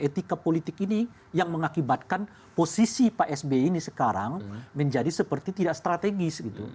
etika politik ini yang mengakibatkan posisi pak sby ini sekarang menjadi seperti tidak strategis gitu